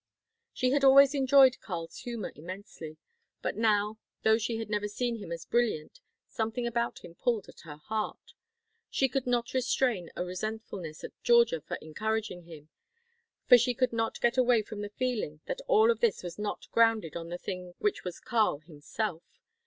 She had always enjoyed Karl's humour immensely, but now, though she had never seen him as brilliant, something about him pulled at her heart. She could not restrain a resentfulness at Georgia for encouraging him. For she could not get away from the feeling that all of this was not grounded on the thing which was Karl himself.